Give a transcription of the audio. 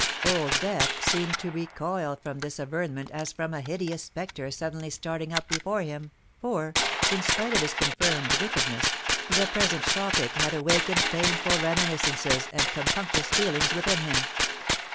Old Death seemed to recoil from this averment as from a hideous spectre suddenly starting up before him; for, in spite of his confirmed wickedness, the present topic had awakened painful reminiscences and compunctious feelings within him.